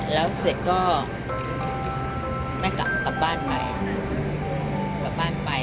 แล้วเสร็จก็แม่กลับบ้านไป